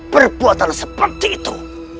berbuatlah seperti itu